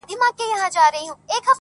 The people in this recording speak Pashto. یوه ږغ کړه چي ګوربت ظالم مرغه دی!.